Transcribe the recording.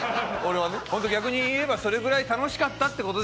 本当逆に言えばそれぐらい楽しかったって事ですよ。